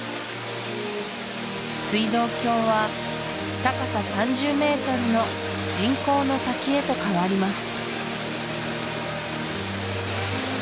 水道橋は高さ３０ｍの人工の滝へと変わります